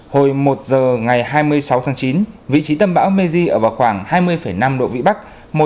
hồi một giờ ngày hai mươi sáu tháng chín vị trí tâm bão mê ở vào khoảng hai mươi năm độ vĩ bắc